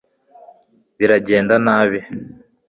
biragenda nabi